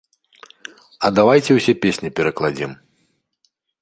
А давайце ўсе песні перакладзем.